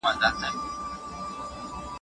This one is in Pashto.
ديدار وچاته څه وركوي